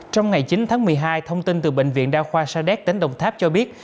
trong ngày chín tháng một mươi hai thông tin từ bệnh viện đa khoa sa đéc tỉnh đồng tháp cho biết